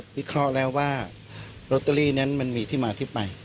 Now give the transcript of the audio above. วิเคราะห์แล้วว่าลอตเตอรี่นั้นมันมีที่มาที่ไป